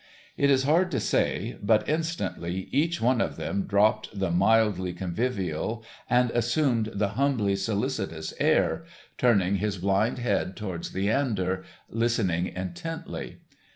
It is hard to say, but instantly each one of them dropped the mildly convivial and assumed the humbly solicitous air, turning his blind head towards Leander, listening intently.